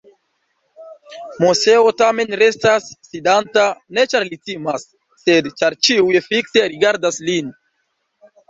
Moseo tamen restas sidanta, ne ĉar li timas, sed ĉar ĉiuj fikse rigardas lin.